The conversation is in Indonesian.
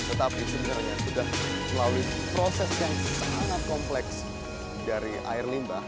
sudah melalui proses yang sangat kompleks dari air limbah